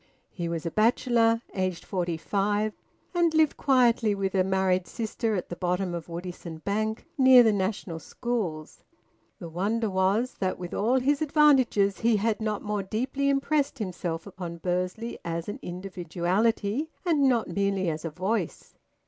He was a bachelor, aged forty five, and lived quietly with a married sister at the bottom of Woodisun Bank, near the National Schools. The wonder was that, with all his advantages, he had not more deeply impressed himself upon Bursley as an individuality, and not merely as a voice.